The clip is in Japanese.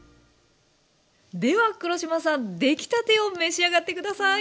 では黒島さん出来たてを召し上がって下さい。